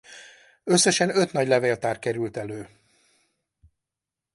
Összesen öt nagy levéltár került elő.